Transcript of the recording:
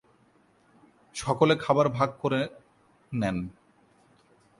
সকলে খাবার ভাগ করে নেন।